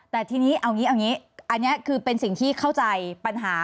แต่ทีนี้เอาอย่างนี้อันนี้คือเป็นสิ่งที่เข้าใจปัญหา